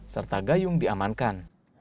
serta gayung diamankan